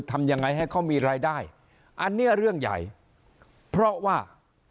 ทำยังไงให้เขามีรายได้อันนี้เรื่องใหญ่เพราะว่า